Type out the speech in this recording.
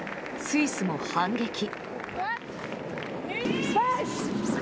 スイスも反撃。